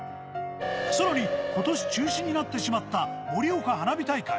さらに今年、中止になってしまった盛岡花火大会。